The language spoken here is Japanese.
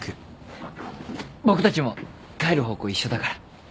僕たちも帰る方向一緒だから。